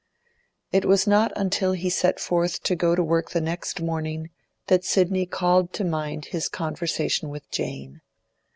It was not until he set forth to go to work next morning that Sidney called to mind his conversation with Jane.